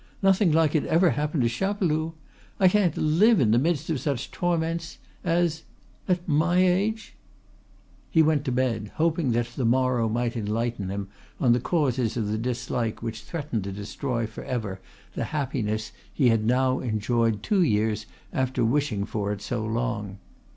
Nothing like it ever happened to Chapeloud! I can't live in the midst of such torments as At my age " He went to bed hoping that the morrow might enlighten him on the causes of the dislike which threatened to destroy forever the happiness he had now enjoyed two years after wishing for it so long.